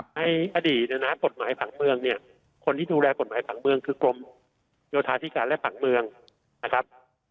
ในอดีตเนี่ยนะกฎหมายผังเมืองเนี่ยคนที่ดูแลกฎหมายผังเมืองคือกรมโยธาธิการและผังเมืองนะครับ